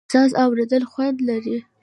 ساز اورېدل خوند لري.